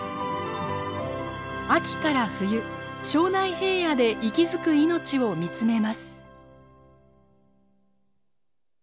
秋から冬庄内平野で息づく命を見つめます。